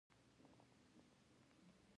ځغاسته د ذهني روڼتیا زیږنده ده